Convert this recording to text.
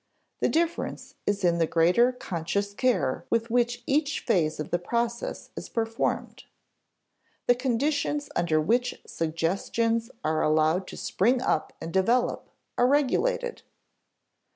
The difference is in the greater conscious care with which each phase of the process is performed. _The conditions under which suggestions are allowed to spring up and develop are regulated.